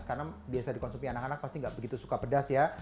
karena biasa dikonsumsi anak anak pasti nggak begitu suka pedas ya